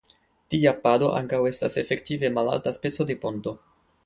Tia pado ankaŭ estas efektive malalta speco de ponto.